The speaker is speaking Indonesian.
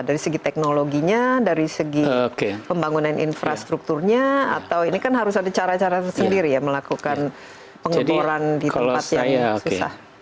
dari segi teknologinya dari segi pembangunan infrastrukturnya atau ini kan harus ada cara cara tersendiri ya melakukan pengeboran di tempat yang susah